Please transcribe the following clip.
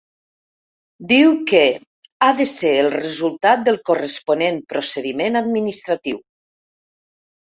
Diu que “ha de ser el resultat del corresponent procediment administratiu”.